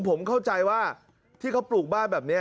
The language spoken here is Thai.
ผมเข้าใจว่าที่เขาปลูกบ้านแบบนี้